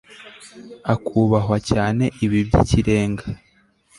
akubahwa cyane ibi by'ikirenga